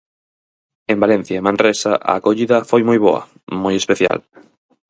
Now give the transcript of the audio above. En Valencia e Manresa a acollida foi moi boa, moi especial.